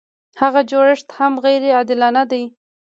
هغه جوړښت هم غیر عادلانه دی.